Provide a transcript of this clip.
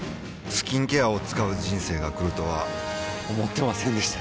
スキンケアを使う人生が来るとは思ってませんでした